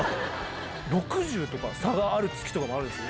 ６０とか差がある月とかもあるんですよ。